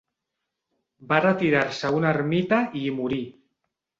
Va retirar-se a una ermita i hi morí.